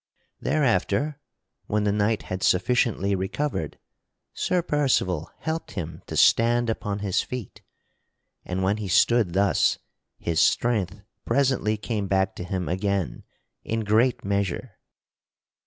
Thereafter, when the knight had sufficiently recovered, Sir Percival helped him to stand upon his feet; and when he stood thus his strength presently came back to him again in great measure.